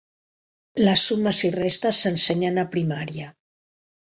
Les sumes i restes s'ensenyen a primària.